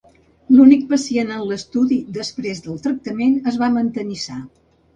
L'únic pacient en l'estudi després del tractament es va mantenir sa.